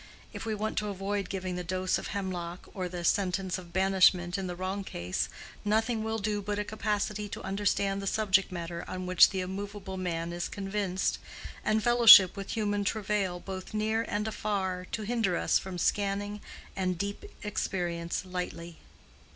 If we want to avoid giving the dose of hemlock or the sentence of banishment in the wrong case, nothing will do but a capacity to understand the subject matter on which the immovable man is convinced, and fellowship with human travail, both near and afar, to hinder us from scanning any deep experience lightly.